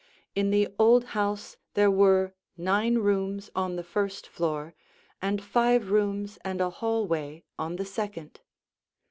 In the old house there were nine rooms on the first floor and five rooms and a hallway on the second.